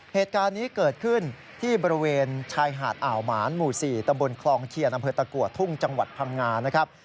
เหตุการณ์นี้เกิดขึ้นที่บริเวณชายหาดอ่าวหมานหมู่๔ตำบลคลองเคียนอำเภอตะกัวทุ่งจังหวัดพังงานะครับ